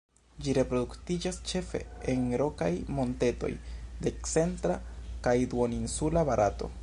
Ĝi reproduktiĝas ĉefe en rokaj montetoj de centra kaj duoninsula Barato.